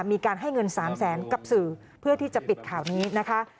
มีการให้เงิน๓แสนกับสื่อเพื่อที่จะปิดข่าวนี้นะคะ